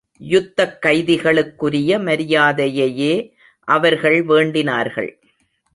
யுத்தக் கைதிகளுக்குரிய மரியாதையையே அவர்கள் வேண்டினார்கள்.